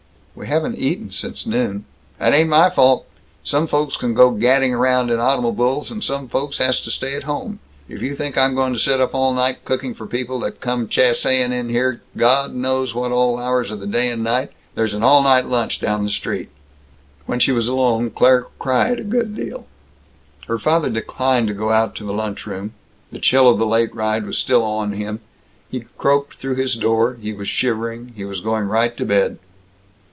"We haven't eaten since noon." "That ain't my fault! Some folks can go gadding around in automobuls, and some folks has to stay at home. If you think I'm going to sit up all night cooking for people that come chassayin' in here God knows what all hours of the day and night ! There's an all night lunch down the street." When she was alone Claire cried a good deal. Her father declined to go out to the lunch room. The chill of the late ride was still on him, he croaked through his door; he was shivering; he was going right to bed.